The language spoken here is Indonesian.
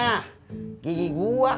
nah gigi gue